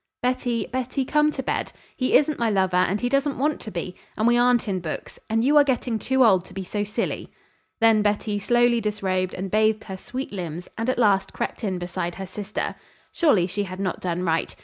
"Betty, Betty, come to bed. He isn't my lover and he doesn't want to be and we aren't in books, and you are getting too old to be so silly." Then Betty slowly disrobed and bathed her sweet limbs and at last crept in beside her sister. Surely she had not done right.